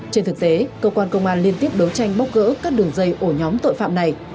trên thực tế cơ quan công an liên tiếp đấu tranh bóc gỡ các đường dây ổ nhóm tội phạm này